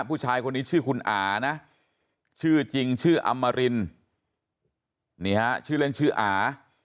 ผู้ชายคนนี้ชื่อคุณอานะชื่อจริงชื่ออำมารินนี่ฮะชื่อเล่นชื่ออา